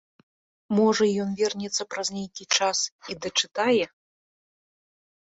Можа ён вернецца праз нейкі час і дачытае.